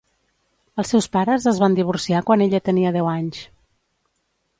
Els seus pares es van divorciar quan ella tenia deu anys.